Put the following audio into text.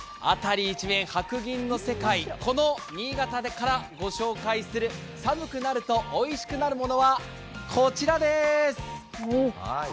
辺り一面、白銀の世界、この新潟からご紹介する寒くなるとおいしくなるものはこちらです。